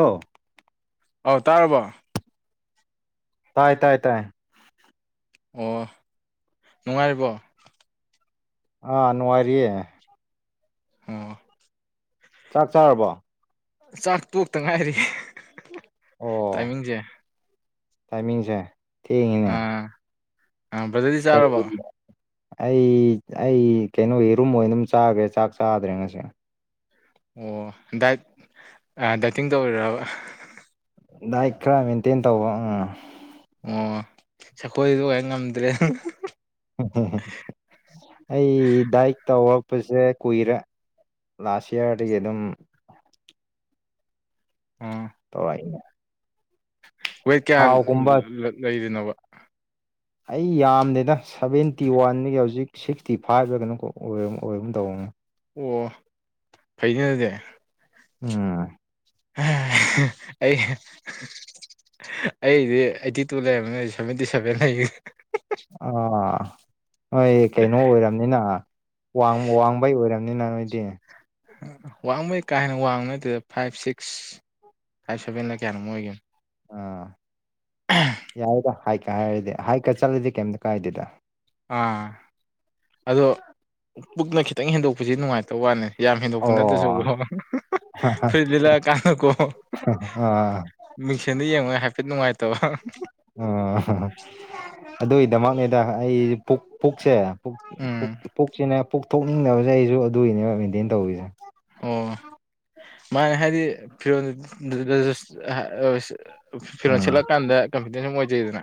ꯑꯧ ꯑꯧ ꯇꯥꯔꯕꯣ ꯇꯥꯏ ꯇꯥꯏ ꯇꯥꯏ ꯑꯣ ꯅꯨꯡꯉꯥꯏꯔꯤꯕꯣ ꯑꯥ ꯅꯨꯡꯉꯥꯏꯔꯤꯌꯦ ꯑꯣ ꯆꯥꯛ ꯆꯥꯔꯕꯣ ꯆꯥꯛ ꯇꯣꯛꯇ ꯉꯥꯏꯔꯤ ꯇꯥꯏꯃꯤꯡꯖꯦ ꯇꯥꯏꯃꯤꯡꯖꯦ ꯊꯦꯡꯉꯦꯅꯦ ꯑ ꯕꯔꯣꯗꯔꯗꯤ [unintelligible] ꯑꯩ ꯑꯩ ꯀꯩꯅꯣ ꯌꯦꯔꯨꯝ ꯑꯣꯏꯅ ꯗꯨꯝ ꯆꯥꯈ꯭ꯔꯦ ꯆꯥꯛ ꯆꯥꯗ꯭ꯔꯦ ꯉꯁꯤ ꯑꯣ ꯗꯥꯏꯠ ꯑ ꯗꯥꯏꯇꯤꯡ ꯇꯧꯔꯤꯔꯥꯥꯕ ꯗꯥꯏꯠ ꯈꯔ ꯃꯦꯟꯇꯦꯟ ꯇꯧꯕ ꯎꯝ ꯑꯣ ꯁꯈꯣꯏꯗ ꯑꯗꯨ ꯀꯥꯗꯤ ꯉꯝꯗ꯭ꯔꯦ [unintelligible] ꯑꯩ ꯗꯥꯏꯠ ꯇꯧꯔꯛꯄꯁꯦ ꯀꯨꯏꯔꯦ ꯂꯥꯁ ꯌꯔꯗꯒꯤ ꯑꯗꯨꯝ ꯑꯣ [unintelligible] ꯋꯦꯠ ꯀꯌꯥ ꯊꯥꯎꯒꯨꯝꯕ ꯂ ꯂꯩꯔꯤꯅꯣꯕ ꯑꯩ ꯌꯥꯝꯗꯦꯗ ꯁꯚꯦꯟꯇꯤ ꯋꯥꯟꯅꯤ ꯍꯧꯖꯤꯛ ꯁꯤꯛꯁꯇꯤ ꯐꯥꯏꯚ ꯂ ꯀꯩꯅꯣ ꯀꯣ ꯑꯣꯏꯔ ꯑꯣꯏꯔꯒꯨꯝ ꯇꯧꯕꯅꯦ ꯑꯣ ꯐꯩꯅꯦ ꯑꯗꯨꯗꯤ ꯑꯥ [unintelligible] ꯑꯩꯒꯤ ꯑꯩꯗꯤ ꯑꯩꯠꯇꯤ ꯇꯨ ꯂꯩꯔꯝꯕꯅꯤ ꯁꯚꯦꯟꯇꯤ ꯁꯚꯦꯟ ꯂꯩꯒꯔ꯭ꯦ ꯑꯥ ꯍꯣꯏ ꯀꯩꯅꯣ ꯑꯣꯏꯔꯝꯅꯤꯅ ꯋꯥꯡ ꯋꯥꯡꯕꯩ ꯑꯣꯏꯔꯝꯅꯤꯅꯥ ꯅꯣꯏꯗꯤ ꯋꯥꯡꯕꯩ ꯀꯥ ꯍꯦꯟꯅ ꯋꯥꯡꯕ ꯅꯠꯇꯦꯗ ꯐꯥꯏꯚ ꯁꯤꯛꯁ ꯐꯥꯏꯚ ꯁꯚꯦꯟꯂ ꯀꯌꯥꯅꯣꯝ ꯑꯣꯏꯒꯤꯝ ꯑꯥ ꯌꯥꯢꯗ ꯍꯥꯏꯀ ꯍꯥꯏꯔꯗꯤ ꯍꯥꯏꯀ ꯆꯠꯂꯗꯤ ꯀꯩꯝꯇ ꯀꯥꯏꯗꯦꯗ ꯑꯥ ꯑꯗꯣ ꯄꯨꯛꯅ ꯈꯤꯇꯪ ꯍꯦꯟꯗꯣꯛꯄꯖꯦ ꯅꯨꯡꯉꯥꯏꯇꯕ ꯋꯥꯅꯦ ꯌꯥꯝ ꯍꯦꯟꯗꯣꯛꯄ ꯅꯠꯇ꯭ꯔꯖꯨ ꯀꯣ ꯑꯣ ꯐꯨꯔꯤꯠ ꯂꯤꯂꯛꯑ ꯀꯥꯟꯗꯀꯣ ꯑꯥ ꯃꯤꯡꯁꯦꯟꯗ ꯌꯦꯡꯕꯩ ꯍꯥꯏꯐꯦꯠ ꯅꯨꯡꯉꯥꯏꯇꯕ ꯑꯣ ꯑꯗꯨꯢꯗꯃꯛꯅꯦꯗ ꯑꯩꯖꯨ ꯄꯨꯛ ꯄꯨꯛꯁꯦ ꯄꯨꯛ ꯄꯨꯛ ꯎꯝ ꯄꯨꯛꯁꯤꯅꯦ ꯄꯨꯛ ꯊꯣꯛꯅꯤꯡꯗꯕꯁꯦ ꯑꯩꯁꯨ ꯑꯗꯨꯒꯤꯅꯦꯕ ꯃꯦꯟꯇꯦꯟ ꯇꯧꯔꯤꯖꯦ ꯑꯣ ꯃꯥꯅꯦ ꯍꯥꯏꯗꯤ ꯐꯤꯔꯣ [unintelligible] ꯐ ꯐꯤꯔꯣꯟ ꯎꯝ ꯁꯦꯠꯂꯛꯑꯀꯥꯟꯗ ꯀꯟꯐꯤꯗꯦꯟ ꯁꯨꯝ ꯑꯣꯏꯗꯦꯗꯅ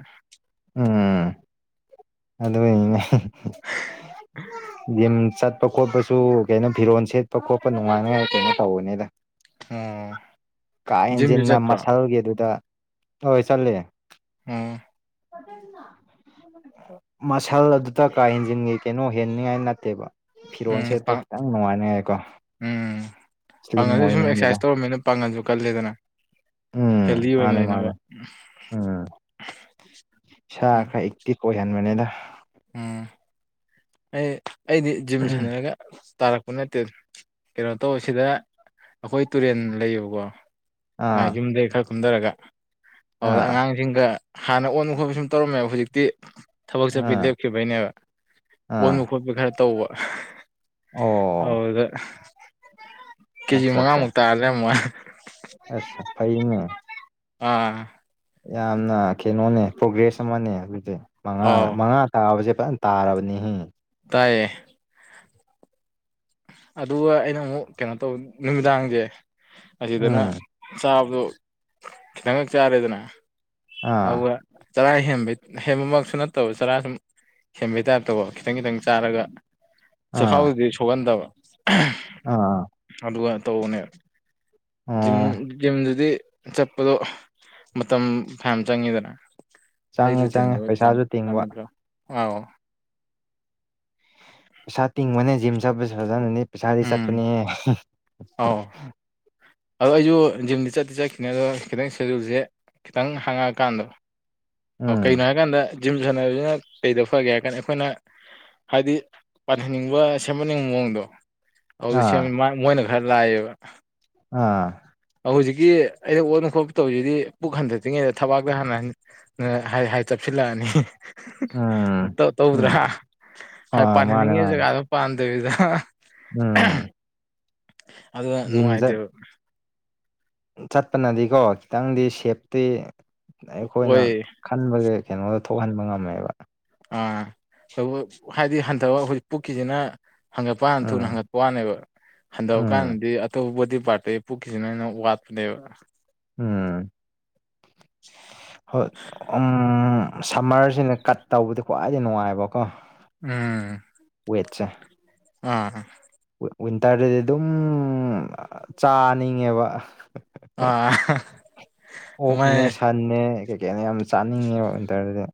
ꯎꯝ ꯑꯗꯨꯢꯅꯤꯅꯦ ꯌꯨꯝ ꯆꯠ ꯄ ꯈꯣꯠꯄꯁꯨ ꯀꯩꯅꯣ ꯐꯤꯔꯣꯟ ꯁꯦꯠꯄ ꯈꯣꯠꯄ ꯅꯨꯡꯉꯥꯏꯅꯉꯥꯏ ꯀꯩꯅꯣ ꯇꯧꯕꯅꯤꯗ ꯑꯣ ꯀꯥ ꯖꯤꯝꯁꯨ ꯍꯦꯟꯖꯤꯟꯅ ꯆꯠꯄ꯭ꯔꯣ ꯃꯁꯜꯒꯤ ꯑꯗꯨꯗ ꯍꯣꯏ ꯆꯠꯂꯤ ꯎꯝ ꯀꯗꯩꯅꯣ ꯑꯣ ꯃꯁꯜ ꯑꯗꯨꯗ ꯀꯥ ꯍꯦꯟꯖꯤꯟ ꯀꯩꯅꯣ ꯍꯦꯟꯅꯤꯉꯥꯏ ꯅꯠꯇꯦꯕ ꯐꯤꯔꯣꯜ ꯎꯝ ꯁꯦꯠꯄ ꯄꯥꯡ ꯈꯤꯇꯪ ꯅꯨꯡꯉꯥꯏꯅꯤꯉꯥꯢꯀꯣ ꯎꯝ ꯁ꯭ꯂꯤꯝ ꯄꯥꯡꯒꯜꯁꯨ ꯁꯨꯝ ꯑꯣꯏꯅꯤꯡꯕꯗꯣ ꯑꯦꯛꯁꯔꯁꯥꯏꯁ ꯇꯧꯔꯝꯃꯤꯅ ꯄꯥꯡꯒꯜꯁꯨ ꯀꯜꯂꯤꯗꯅ ꯎꯝ ꯍꯦꯜꯗꯤ ꯑꯣꯏꯅ ꯃꯥꯅꯦ ꯂꯩꯅꯕ ꯃꯥꯅꯦ ꯎꯝ ꯏꯁꯥ ꯎꯝ ꯈꯔ ꯑꯦꯛꯇꯤꯚ ꯑꯣꯏꯍꯟꯕꯅꯤꯗ ꯎꯝ ꯑꯩ ꯑꯩꯗꯤ ꯖꯤꯝ ꯁꯥꯟꯅꯔꯒ ꯇꯥꯔꯛꯄ ꯅꯠꯇꯦ ꯀꯩꯅꯣ ꯇꯧꯏ ꯁꯤꯗ ꯑꯈꯣꯏ ꯇꯨꯔꯦꯟ ꯂꯩꯌꯦꯕꯀꯣ ꯑꯥ ꯌꯨꯝꯗꯩ ꯈꯔ ꯀꯨꯝꯗꯔꯒ ꯑꯗꯨꯗ ꯑꯥ ꯑꯉꯥꯡ ꯁꯤꯡꯒ ꯍꯥꯟꯅ ꯑꯣꯟꯕ ꯈꯣꯠꯄ ꯁꯨꯝ ꯇꯧꯔꯝꯃꯦꯕ ꯍꯧꯖꯤꯛꯇꯤ ꯊꯕꯛ ꯆꯠꯄꯩ ꯑꯥ ꯂꯦꯞꯈꯤꯕꯩꯅꯦꯕ ꯑꯥ ꯑꯣꯟꯕ ꯈꯣꯠꯄ ꯈꯔ ꯇꯧꯕ ꯑꯣ ꯑꯗꯨꯗ ꯀꯦꯖꯤ ꯑꯠꯆꯥ ꯑꯠꯆꯥ ꯃꯉꯥꯃꯨꯛ ꯇꯥꯔ ꯂꯩꯔꯝꯕ ꯋꯥꯅꯤ ꯑꯁ ꯐꯩꯅꯦ ꯑꯥ ꯌꯥꯝꯅ ꯀꯩꯅꯣꯅꯦ ꯄ꯭ꯔꯣꯒ꯭ꯔꯦꯁ ꯑꯃꯅꯦ ꯑꯗꯨꯗꯤ ꯃꯉꯥ ꯑꯥꯎ ꯃꯉꯥ ꯇꯥꯕꯁꯦ ꯐꯖꯟ ꯇꯥꯔꯕꯅꯤꯍꯦ ꯇꯥꯏꯌꯦ ꯑꯗꯨꯒ ꯑꯩꯅ ꯑꯃꯨꯛ ꯀꯩꯅꯣ ꯇꯧ ꯅꯨꯝꯗꯥꯡꯁꯦ ꯑꯁꯤꯗꯅ ꯎꯝ ꯆꯥꯕꯗꯣ ꯈꯤꯇꯪꯈꯛ ꯆꯔꯦꯗꯅ ꯑꯧꯒ ꯑꯥ ꯆꯔꯥ ꯍꯦꯟꯕꯩ ꯍꯦꯟꯕꯃꯛꯁꯨ ꯅꯠꯇꯕ ꯆꯔꯥꯁꯨꯝ ꯍꯦꯟꯕꯩ ꯇꯥꯏꯞ ꯇꯧꯕ ꯈꯤꯇꯪ ꯈꯤꯇꯪ ꯆꯥꯔꯒ ꯑꯥ ꯆꯈꯥꯎꯗꯨꯗꯤ ꯁꯣꯛꯍꯟꯗꯕ ꯑꯍꯥ ꯑꯥ ꯑꯗꯨꯒ ꯇꯧꯕꯅꯦ ꯖꯤꯝ ꯑꯣ ꯖꯤꯝꯗꯨꯗꯤ ꯆꯠꯄꯗꯣ ꯃꯇꯝ ꯐꯅꯌꯥꯝ ꯆꯪꯉꯤꯗꯅ ꯑꯩ ꯆꯪꯉꯦ ꯆꯪꯉꯦ ꯔꯨꯇꯤꯟꯗꯣ ꯄꯩꯁꯥꯁꯨ ꯇꯤꯡꯕ ꯆꯥꯟꯅꯗ꯭ꯔꯣ ꯑꯥꯎ ꯄꯩꯁꯥ ꯇꯤꯡꯕꯅꯦ ꯖꯤꯝ ꯆꯠꯄꯁꯦ ꯐꯖꯅꯅꯦ ꯄꯩꯁꯥꯗꯤ ꯎꯝ ꯆꯠꯄꯅꯦꯍꯦ ꯑꯥꯎ ꯑꯗꯣ ꯑꯩꯁꯨ ꯖꯤꯝꯗꯤ ꯆꯠꯇꯤ ꯆꯠꯈꯤꯅꯦ ꯑꯗꯣ ꯈꯤꯇꯪ ꯁꯦꯗꯨꯜꯁꯦ ꯈꯤꯇꯪ ꯍꯥꯡꯉꯛꯑꯀꯥꯟꯗꯣ ꯑꯧ ꯀꯩꯅꯣ ꯎꯝ ꯍꯥꯏꯀꯥꯟꯗ ꯖꯤꯝ ꯁꯥꯟꯅꯕꯁꯤꯅ ꯀꯩꯗ ꯐꯒꯦ ꯍꯥꯏꯀꯥꯟꯗ ꯑꯩꯈꯣꯏꯅ ꯍꯥꯏꯗꯤ ꯄꯥꯟꯍꯟꯅꯤꯡꯕ ꯁꯦꯝꯍꯟꯅꯤꯡꯕ ꯃꯑꯣꯡꯗꯣ ꯑꯗꯨꯗꯥ ꯑꯥ ꯁꯦꯝꯃꯤ ꯃꯥ ꯃꯣꯏꯅ ꯈꯔ ꯂꯥꯏꯑꯦꯕ ꯑꯥ ꯍꯧꯖꯤꯛꯀꯤ ꯑꯩꯅ ꯑꯣꯟꯕ ꯈꯣꯠꯄ ꯇꯧꯔꯤꯁꯤꯗꯤ ꯄꯨꯛ ꯍꯟꯊꯔꯛꯇ꯭ꯔꯤꯉꯩꯗ ꯊꯕꯥꯛꯇ ꯍꯥꯟꯅ ꯍꯟ ꯍꯥꯏ ꯍꯥꯏ ꯆꯞꯁꯤꯜꯂꯛꯑꯅꯤ ꯎꯝ ꯇꯧꯗ꯭ꯔꯥ ꯎꯝ ꯍꯥ ꯑꯥ ꯃꯥꯅꯦ ꯄꯥꯍꯟꯅꯤꯡꯉꯤ ꯃꯥꯅꯦ ꯖꯒꯥꯗꯣ ꯄꯥꯟꯗꯕꯤꯗ ꯎꯝ ꯑꯗꯨꯅ ꯖꯤꯝ ꯆꯠ ꯅꯨꯡꯉꯥꯏꯇꯦꯕ ꯆꯠꯄꯅꯗꯤꯀꯣ ꯈꯤꯇꯪꯗꯤ ꯁꯦꯞꯇꯤ ꯑꯩꯈꯣꯏꯅ ꯑꯣꯏ ꯈꯟꯕꯒꯥ ꯀꯩꯅꯣꯗ ꯊꯣꯛꯍꯟꯕ ꯉꯝꯃꯦꯕ ꯑꯥ ꯑꯗꯨ ꯍꯥꯏꯗꯤ ꯍꯟꯊꯕ ꯍꯧꯖꯤꯛ ꯄꯨꯛꯀꯤꯁꯤꯅ ꯍꯪꯒꯠꯄ ꯊꯨꯅ ꯎꯝ ꯍꯪꯒꯠ ꯋꯥꯅꯦꯕ ꯍꯟꯊꯕ ꯎꯝ ꯀꯥꯟꯗꯗꯤ ꯑꯇꯣꯞꯄ ꯕꯣꯗꯤ ꯄꯥꯔꯠꯇꯒꯤ ꯄꯨꯛꯈꯤꯁꯤꯅ ꯍꯦꯅ ꯋꯥꯠꯄꯅꯦꯕ ꯎꯝ [inaudible] ꯍꯣꯏ ꯎꯝ ꯁꯝꯃꯔꯁꯤꯅ ꯀꯠ ꯇꯧꯕꯗꯤ ꯈ꯭ꯋꯥꯏꯗꯩ ꯅꯨꯡꯉꯥꯏꯕꯀꯣ ꯎꯝ ꯋꯦꯠꯆꯦ ꯑꯥ ꯑꯥ ꯋꯤ ꯋꯤꯟꯇꯔꯗꯗꯤ ꯑꯗꯨꯝ ꯑꯥ ꯆꯥꯅꯤꯡꯉꯦꯕ ꯑꯥ ꯑꯣꯛꯅꯦ ꯃꯥꯅꯦ ꯁꯟꯅꯦ ꯀꯩꯀꯩꯅꯦ ꯌꯥꯝ ꯆꯥꯅꯤꯡꯉꯦꯕ ꯋꯤꯟꯇꯔꯖꯤꯗ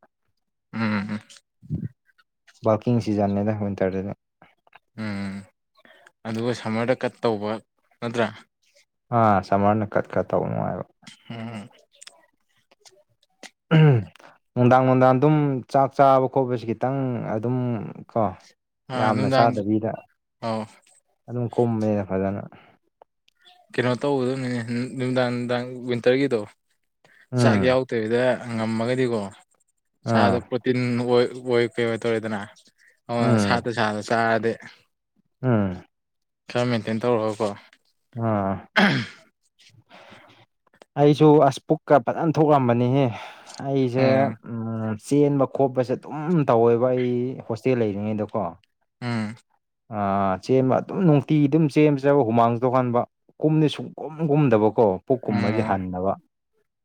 ꯎꯝ ꯎꯝ ꯎꯝ ꯕꯀꯤꯡ ꯁꯤꯖꯟꯅꯦꯗ ꯋꯤꯟꯇꯔꯗꯖꯣ ꯎꯝ ꯑꯗꯨꯒ ꯁꯝꯃꯔꯗ ꯀꯠ ꯇꯧꯕ ꯅꯠꯇ꯭ꯔꯥ ꯑꯥ ꯁꯝꯃꯔꯅ ꯀꯠ ꯀꯠ ꯇꯧꯕ ꯅꯨꯡꯉꯥꯏꯕ [unintelligible] ꯅꯨꯡꯗꯥꯡ ꯅꯨꯡꯗꯥꯡ ꯑꯗꯨꯝ ꯆꯥꯛ ꯆꯥꯕ ꯈꯣꯠꯄꯁꯤ ꯈꯤꯇꯪ ꯑꯗꯨꯝ ꯀꯣ ꯑꯥ ꯌꯥꯝꯅ ꯅꯨꯡꯗꯥꯡ ꯆꯥꯗꯕꯤꯗ ꯑꯧ ꯑꯗꯨꯝ ꯀꯨꯝꯃꯦ ꯐꯖꯅ ꯀꯩꯅꯣ ꯇꯧꯒꯗꯝꯅꯤꯅꯦ ꯍꯝ ꯅꯨꯃꯤꯗꯥꯡ ꯅꯨꯃꯤꯗꯥꯡ ꯋꯤꯟꯇꯔꯒꯤꯗꯣ ꯆꯥꯛ ꯎꯝ ꯌꯥꯎꯗꯕꯤꯗ ꯉꯝꯃꯒꯗꯤꯀꯣ ꯁꯥꯗꯣ ꯑꯥ ꯄ꯭ꯔꯣꯇꯤꯟ ꯑꯣꯏ ꯑꯣꯏ ꯀꯩꯑꯣꯏ ꯇꯧꯔꯦꯗꯅ ꯑꯣꯏ ꯎꯝ ꯁꯥꯇꯨ ꯁꯥꯗ ꯆꯥꯔꯗꯤ ꯎꯝ ꯈꯔ ꯃꯦꯟꯇꯦꯟ ꯇꯧꯔꯒꯀꯣ ꯑꯥ [unintelligible] ꯑꯩꯁꯨ ꯑꯁ ꯄꯨꯛꯀ ꯐꯖꯅ ꯊꯣꯛꯔꯝꯕꯅꯤꯍꯦ ꯑꯩꯖꯦ ꯎꯝ ꯎꯝ ꯆꯦꯟꯕ ꯈꯣꯠꯄꯖꯩ ꯑꯗꯨꯝ ꯇꯧꯋꯦꯕ ꯑꯩ ꯍꯣꯁꯇꯦꯜ ꯂꯩꯔꯤꯉꯩꯗꯀꯣ ꯎꯝ ꯑꯥ ꯆꯦꯟꯕ ꯑꯗꯨꯝ ꯅꯨꯡꯇꯤꯒꯤ ꯗꯨꯝ ꯆꯦꯟꯕꯖꯤꯗꯕꯨ ꯍꯨꯃꯥꯡ ꯗꯣꯛꯍꯟꯕ ꯀꯨꯝꯗꯤ ꯁꯨꯛꯀꯨꯝ ꯀꯨꯝꯗꯕꯀꯣ ꯄꯨꯛ ꯀꯨꯝꯕꯖꯦ ꯎꯝ ꯍꯟꯗꯕ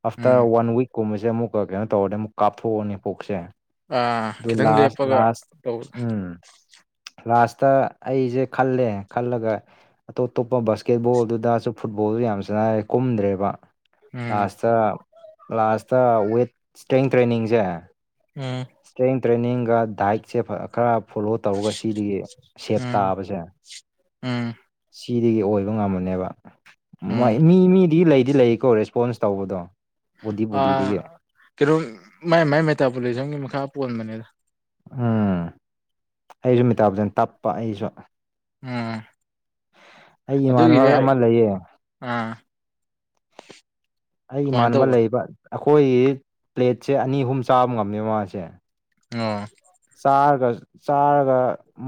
ꯑꯥꯐꯇꯔ ꯎꯝ ꯋꯥꯟ ꯋꯤꯛꯀꯨꯝꯕꯖꯦ ꯑꯃꯨꯛꯀ ꯀꯩꯅꯣ ꯇꯧꯔꯗꯤ ꯑꯃꯨꯛ ꯀꯥꯞꯊꯣꯛꯑꯅꯤ ꯄꯨꯛꯁꯦ ꯑꯥ ꯗꯨ ꯈꯤꯇꯪ ꯂꯥꯁ ꯂꯦꯞꯄꯒ ꯂꯥꯁ ꯇꯧꯕ ꯎꯝ ꯂꯥꯁꯇ ꯑꯩꯖꯦ ꯈꯜꯂꯦ ꯈꯜꯂꯒ ꯑꯇꯣꯞ ꯑꯇꯣꯞꯄ ꯕꯥꯁꯀꯦꯠꯕꯣꯜꯗꯨꯗꯁꯨ ꯐꯨꯠꯕꯣꯜꯗ ꯌꯥꯝ ꯁꯥꯟꯅꯌꯦ ꯀꯨꯝꯗ꯭ꯔꯦꯕ ꯎꯝ ꯀ꯭ꯂꯥꯁꯇ ꯀ꯭ꯂꯥꯁꯇ ꯋꯦꯠ ꯏꯁꯇ꯭ꯔꯦꯡ ꯇ꯭ꯔꯦꯟꯅꯤꯡꯁꯦ ꯎꯝ ꯏꯁꯇ꯭ꯔꯦꯡ ꯇ꯭ꯔꯦꯅꯤꯡꯒ ꯗꯥꯏꯠꯁꯦ ꯐꯥ ꯈꯔ ꯐꯣꯂꯣ ꯇꯧꯔꯒ ꯁꯤꯗꯤ ꯁꯦꯞ ꯎꯝ ꯇꯥꯕꯖꯦ ꯎꯝ ꯁꯤꯗꯒꯤ ꯑꯣꯏꯕ ꯉꯝꯃꯅꯦꯕ ꯎꯝ ꯃꯥꯏ ꯃꯤ ꯃꯤꯗꯤ ꯂꯩꯗꯤ ꯂꯩꯑꯦꯀꯣ ꯔꯦꯁꯄꯣꯟꯁ ꯇꯧꯕꯗꯣ ꯕꯣꯗꯤ ꯑꯥ ꯕꯣꯗꯤꯗꯒꯤ ꯀꯦꯔꯨꯝ ꯃꯥꯏ ꯃꯥꯏ ꯃꯦꯇꯥꯄꯣꯂꯤꯖꯝꯒꯤ ꯃꯈꯥ ꯄꯣꯟꯕꯅꯦꯗ ꯎꯝ ꯑꯩꯖꯨ ꯃꯦꯇꯥꯕꯣꯖꯝ ꯇꯞꯄ ꯑꯩꯒꯤꯖꯨ ꯎꯝ ꯑꯩ ꯏꯃꯥꯟꯅꯕ ꯑꯗꯨꯒꯤꯗ ꯑꯃ ꯂꯩꯌꯦ ꯑꯥ ꯑꯩ ꯀꯃꯥꯏꯅ ꯏꯃꯥꯟꯅꯕ ꯇꯧꯕ ꯂꯩꯌꯦꯕ ꯑꯩꯈꯣꯏꯒꯤ ꯄ꯭ꯂꯦꯠꯁꯦ ꯑꯅꯤ ꯑꯍꯨꯝ ꯆꯥꯕ ꯉꯝꯃꯦꯕ ꯃꯥꯁꯦ ꯑꯣ ꯆꯥꯔꯒ ꯆꯥꯔꯒ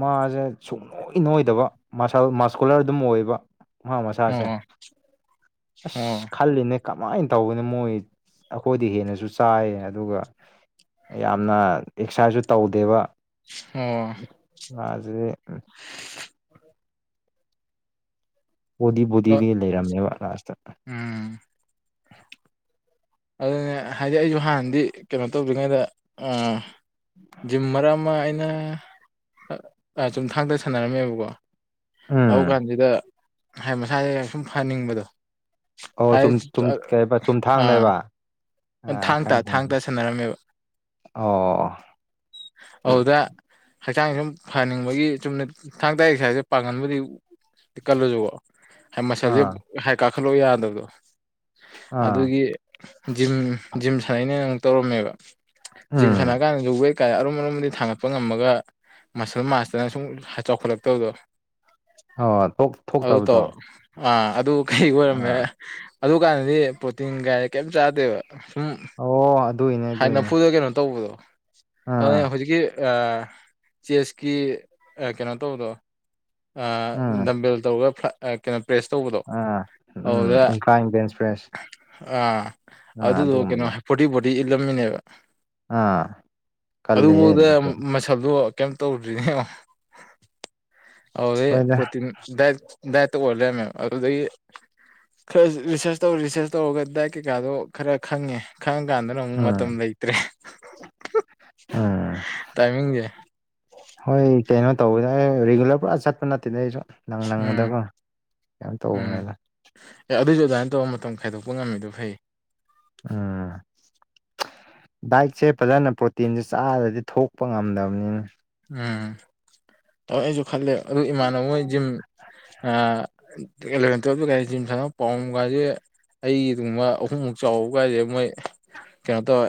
ꯃꯥꯖꯦ ꯁꯨꯡꯅꯣꯏ ꯅꯣꯏꯗꯕ ꯃꯥꯁꯜ ꯃꯁꯀꯨꯂꯔ ꯑꯗꯨꯝ ꯑꯣꯏꯕ ꯃꯍꯥꯛ ꯃꯁꯥꯖꯦ ꯑꯣ ꯑꯣ ꯑꯁ ꯈꯜꯂꯤꯅꯦ ꯀꯃꯥꯏꯟ ꯇꯧꯕꯅꯣ ꯃꯣꯏ ꯑꯩꯈꯣꯏꯗꯩ ꯍꯦꯟꯅꯖꯨ ꯆꯥꯏꯌꯦ ꯑꯗꯨꯒ ꯌꯥꯝꯅ ꯑꯦꯛꯁꯥꯏꯖꯨ ꯇꯧꯗꯦꯕ ꯑꯣ ꯃꯥꯖꯨꯅꯤ ꯕꯣꯗꯤ ꯑꯣ ꯕꯣꯗꯤꯗꯤ ꯂꯩꯔꯝꯃꯦꯕ ꯂꯥꯁꯇ ꯎꯝ ꯑꯗꯨꯅꯦ ꯍꯥꯏꯗꯤ ꯑꯩꯖꯨ ꯍꯥꯟꯅꯗꯤ ꯀꯩꯅꯣ ꯇꯧꯗ꯭ꯔꯤꯉꯩꯗ ꯎꯝ [inaudible] ꯌꯨꯝ ꯃꯔꯛ ꯑꯃ ꯑꯩꯅ ꯑꯥ ꯑꯥ ꯆꯨꯝꯊꯥꯡꯗ ꯁꯥꯟꯅꯔꯝꯃꯦꯕꯀꯣ ꯑꯧ ꯎꯝ ꯍꯨꯔꯥꯟꯗꯨꯗ ꯍꯥꯏ ꯃꯁꯥꯒꯤ ꯁꯨꯝ ꯐꯍꯟꯅꯤꯡꯕꯗꯣ ꯑꯣ ꯆꯨꯝ ꯆꯨꯝ [unintelligible] ꯀꯩꯕ ꯑꯥ ꯆꯨꯝꯊꯥꯡꯅꯦꯕ ꯑꯥ ꯊꯥꯡ ꯇꯥ ꯈꯪꯉꯦ ꯊꯥꯡ ꯈꯪꯉꯦ ꯇꯥ ꯁꯥꯟꯅꯔꯝꯃꯦꯕ ꯑꯣ ꯑꯗꯨꯗ ꯍꯛꯆꯥꯡ ꯁꯨꯝ ꯐꯍꯟꯅꯤꯡꯕꯒꯤ ꯆꯨꯝꯅ ꯊꯥꯡ ꯇꯥ ꯑꯦꯛꯁꯔꯁꯥꯏ ꯄꯥꯡꯒꯟꯕꯨꯗꯤ ꯀꯜꯂꯖꯨꯀꯣ ꯍꯥ ꯃꯁꯜꯖꯦ ꯑꯥ ꯍꯥꯏ ꯀꯥꯈꯠꯂꯣ ꯌꯥꯗꯕꯗꯨ ꯑꯥ ꯑꯗꯨꯒꯤ ꯖꯤꯝ ꯖꯤꯝ ꯁꯥꯟꯅꯩꯩꯅꯦꯅ ꯑꯃꯨꯛ ꯇꯧꯔꯝꯃꯦꯕ ꯖꯤꯝ ꯎꯝ ꯁꯥꯟꯅ ꯀꯥꯟꯗꯖꯨ ꯋꯦꯠ ꯀꯥ ꯑꯔꯨꯝ ꯑꯔꯨꯝꯕꯗꯤ ꯊꯥꯡꯒꯠꯄ ꯉꯝꯃꯒ ꯃꯁꯜ ꯃꯥꯁꯇꯅ ꯁꯨꯝ ꯆꯥꯎꯈꯠꯂꯛꯇꯕꯗꯣ ꯑꯣ ꯑꯗꯨ ꯇꯧ ꯊꯣꯛꯇꯕꯗꯣ ꯑꯥ ꯑꯗꯨ ꯀꯩ ꯑꯣꯏꯔꯝꯃꯦ ꯑꯥ ꯑꯗꯨ ꯀꯥꯟꯗꯗꯤ ꯄ꯭ꯔꯣꯇꯤꯟꯒ ꯀꯩꯝ ꯆꯥꯗꯦꯕ ꯁꯨꯝ ꯑꯣ ꯑꯗꯨꯏꯅꯦ ꯍꯥꯟ ꯑꯗꯨꯏꯅꯦ ꯅꯝꯐꯨꯗ ꯀꯩꯅꯣ ꯇꯧꯕꯗꯣ ꯑꯗꯨꯅ ꯑꯥ ꯍꯧꯖꯤꯛꯀꯤ ꯑꯥ ꯆꯦꯁꯀꯤ ꯑꯥ ꯀꯩꯅꯣ ꯇꯧꯕꯗꯣ ꯑꯥ ꯎꯝ ꯅꯝꯕꯦꯜ ꯇꯧꯔꯒ ꯐ꯭ꯂ ꯑꯥ ꯀꯩꯅꯣ ꯄ꯭ꯔꯦꯁ ꯇꯧꯕꯗꯣ ꯑꯥ ꯎꯝ ꯑꯗꯨꯗ ꯏꯟꯀ꯭ꯂꯥꯏꯟ ꯕꯦꯟꯁ ꯄ꯭ꯔꯦꯁ ꯑꯥ ꯑꯥ ꯑꯗꯨꯗꯣ ꯀꯩꯅꯣ ꯑꯗꯨꯒꯨꯝꯕꯗꯣ ꯐꯣꯔꯇꯤ ꯐꯣꯔꯇꯤ ꯏꯜꯂꯝꯃꯤꯅꯦꯕ ꯑꯥ ꯑꯗꯨ ꯀꯜꯂꯦꯍꯦ ꯕꯧꯗ ꯑꯗꯨꯗꯤ ꯃꯁꯜ ꯑꯗꯨꯒ ꯀꯩꯝ ꯇꯧꯗ꯭ꯔꯤꯅꯦꯉꯣ ꯑꯗꯨꯗꯩ ꯍꯣꯏꯗ ꯄ꯭ꯔꯣꯇꯤꯟ ꯗꯥꯏꯠ ꯊꯛ ꯗꯥꯏꯠꯇ ꯑꯣꯏꯔ ꯂꯩꯔꯝꯃꯦꯕ ꯑꯗꯨꯗꯩ ꯈꯔ ꯔꯤꯁꯔꯁ ꯇꯧꯔ ꯔꯤꯁꯔꯁ ꯇꯧꯔꯒ ꯗꯥꯏꯠ ꯀꯩꯀꯥꯗꯣ ꯈꯔ ꯈꯪꯉꯦ ꯈꯪ ꯀꯥꯟꯗꯅ ꯑꯃꯨꯛ ꯎꯝ ꯃꯇꯝ ꯂꯩꯇ꯭ꯔꯦ ꯎꯝ ꯇꯥꯏꯃꯤꯡꯖꯦ ꯍꯣꯏ ꯀꯩꯅꯣ ꯇꯧꯔ ꯔꯤꯒꯨꯂꯔ ꯄꯨꯔꯥ ꯆꯠꯄ ꯅꯠꯇꯦꯅꯦ ꯑꯩꯖꯨ ꯎꯝ ꯎꯝ ꯇꯧꯕꯅꯤꯗ ꯑꯦ ꯑꯗꯨꯖꯨ ꯑꯗꯨꯃꯥꯏ ꯇꯧꯔ ꯃꯇꯝ ꯈꯥꯏꯗꯣꯛꯄ ꯉꯝꯃꯤꯗꯣ ꯐꯩꯌꯦ ꯎꯝ ꯗꯥꯏꯠꯁꯦ ꯐꯥꯖꯅ ꯄ꯭ꯔꯣꯇꯤꯟꯁꯦ ꯆꯥꯗꯔꯗꯤ ꯊꯣꯛꯄ ꯉꯝꯗꯕꯅꯤꯅꯦ ꯎꯝ ꯑꯩꯖꯨ ꯈꯜꯂꯦ ꯑꯗꯨ ꯏꯃꯥꯟꯅꯕ ꯃꯣꯏ ꯖꯤꯝ ꯑꯥ ꯑꯦꯂꯚꯦꯟ ꯇꯨꯋꯜꯄꯇꯒꯥꯏꯁꯤ ꯀꯔꯤ ꯖꯤꯝ ꯁꯥꯟꯅꯕ ꯄꯥꯝꯕꯣꯝꯒꯥꯏꯖꯦ ꯑꯩꯒꯨꯝꯕ ꯑꯍꯨꯝꯃꯨꯛ ꯆꯥꯎꯕ ꯀꯥꯏꯖꯦ ꯃꯣꯏ ꯀꯩꯅꯣ ꯇꯧꯌꯦ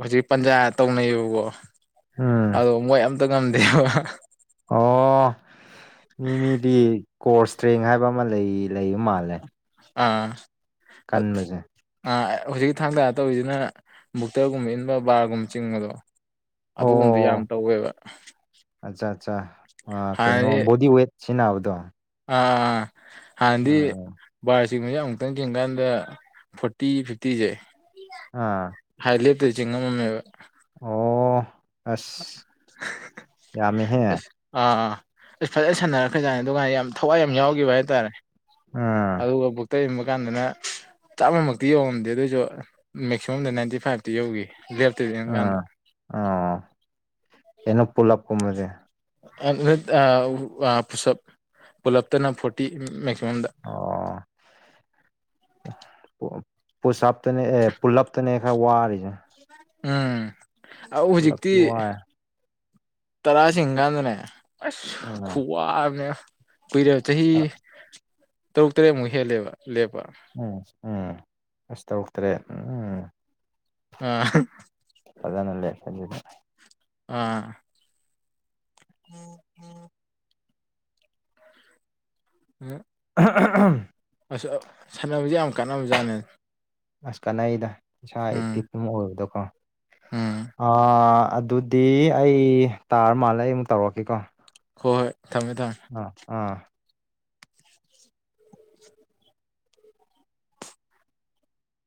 ꯍꯧꯖꯤꯛ ꯄꯟꯖꯥ ꯇꯧꯅꯩꯌꯦꯕꯀꯣ ꯎꯝ ꯑꯗꯣ ꯃꯣꯏ ꯑꯝ ꯇꯥ ꯉꯝꯗꯦꯕ ꯑꯣ ꯃꯤ ꯃꯤꯗꯤ ꯀꯣꯔ ꯏꯁꯇ꯭ꯔꯦꯡ ꯍꯥꯏꯕ ꯑꯃ ꯂꯩ ꯂꯩꯕ ꯃꯥꯜꯂꯦ ꯑꯥ ꯑꯠ ꯀꯟꯕꯁꯦ ꯑꯥ ꯍꯨꯖꯤꯛꯀꯤ ꯊꯥꯡ ꯇꯥ ꯇꯧꯔꯤꯁꯤꯅ ꯕꯨꯛꯇꯔꯒꯨꯝꯕ ꯏꯟꯕ ꯕꯥꯔꯒꯨꯝꯕ ꯆꯤꯡꯕꯗꯣ ꯑꯗꯨꯒꯨꯝꯕꯗꯣ ꯑꯣ ꯌꯥꯝ ꯇꯧꯋꯦꯕ ꯑꯆꯥ ꯆꯥ ꯑꯥ ꯀꯩꯅꯣ ꯍꯥꯟꯅꯗꯤ ꯕꯣꯗꯤ ꯋꯦꯠ ꯁꯦꯅꯥꯕꯗꯣ ꯑꯥ ꯑꯥ ꯍꯥꯟꯅꯗꯤ ꯕꯥꯔ ꯆꯤꯡꯕꯖꯦ ꯑꯃꯨꯛꯇꯪ ꯆꯤꯡꯉ ꯀꯥꯟꯗ ꯐꯣꯔꯇꯤ ꯐꯤꯐꯇꯤꯖꯦ ꯑꯥ ꯍꯥꯟꯅꯗꯤ ꯂꯦꯞꯇꯕꯤ ꯆꯤꯡꯕ ꯉꯝꯃꯝꯃꯦꯕ ꯑꯣ ꯑꯁ ꯌꯥꯝꯃꯦꯍꯦ ꯑꯁ ꯑꯥ ꯏꯁ ꯐꯥꯖꯅ ꯁꯥꯟꯅꯔꯛ ꯈ꯭ꯔꯖꯥꯠꯅꯤ ꯑꯗꯨꯀꯥꯟ ꯌꯥꯝ ꯊꯋꯥꯏ ꯌꯥꯝ ꯌꯥꯎꯒꯤꯕ ꯍꯥꯏ ꯇꯥꯔꯦ ꯑꯥ ꯑꯗꯨꯒ ꯕꯨꯛꯇꯔ ꯏꯟꯕ ꯀꯥꯟꯗꯅ ꯆꯥꯝꯃꯃꯛꯇꯤ ꯌꯧꯉꯝꯗꯦ ꯑꯗꯨꯑꯣꯏꯖꯨ ꯃꯦꯛꯁꯤꯃꯝꯗ ꯅꯥꯏꯟꯇꯤ ꯐꯥꯏꯚꯇꯤ ꯌꯧꯒꯤ ꯂꯦꯞꯇꯕꯤ ꯌꯦꯡꯀꯥꯟꯗ ꯑꯥ ꯑꯣ ꯀꯩꯅꯣ ꯄꯨꯂꯞꯀꯨꯝꯕꯗꯤ [unintelligible] ꯄꯨꯂꯞꯇꯅ ꯐꯣꯔꯇꯤ ꯃꯦꯛꯁꯤꯃꯝꯗ ꯑꯣ ꯄꯨꯁ ꯑꯞꯇꯅꯦ ꯑꯦ ꯄꯨꯜꯂꯞꯇꯅꯦ ꯈꯔ ꯋꯥꯔꯤꯁꯦ ꯎꯝ ꯑꯧ ꯍꯧꯖꯤꯛꯇꯤ ꯄꯨꯂꯞꯇꯤ ꯋꯥꯔꯦ ꯇꯔꯥ ꯆꯤꯡ ꯒꯥꯥꯟꯗꯅꯦ ꯑꯁ ꯎꯝ ꯈꯨꯨꯋꯥ ꯑꯝꯅꯦ ꯀꯨꯏꯔꯦꯕ ꯆꯍꯤ ꯇꯔꯨꯛ ꯇꯔꯦꯠꯃꯨꯛ ꯍꯦꯜꯂꯦꯕ ꯂꯦꯞꯄ ꯎꯝ ꯎꯝ ꯑꯁ ꯇꯔꯨꯛ ꯇꯔꯦꯠ ꯎꯝ ꯑ [unintelligible] ꯐꯥꯖꯅ ꯂꯩꯞ [unintelligible] ꯑꯥ [unintelligible] [inaudible] [unintelligible] ꯑꯍ ꯍ ꯑꯍꯝ ꯑꯁ ꯁꯥꯟꯅꯕꯁꯦ ꯌꯥꯝ ꯀꯥꯟꯅꯕꯖꯥꯠꯅꯦ ꯑꯁ ꯀꯥꯟꯅꯩꯗ ꯏꯁꯥ ꯎꯝ ꯑꯦꯛꯇꯤꯚ ꯑꯃ ꯑꯣꯏꯕꯗꯣꯀꯣ ꯎꯝ ꯑ ꯑꯗꯨ ꯗꯤ ꯑꯩ ꯇꯥꯔ ꯃꯥꯜꯂꯦ ꯑꯩ ꯑꯃꯨꯛ ꯇꯧꯔꯛꯀꯦꯀꯣ ꯍꯣꯏ ꯍꯣꯏ ꯊꯝꯃꯦ ꯊꯝꯃꯦ ꯑ ꯑꯥ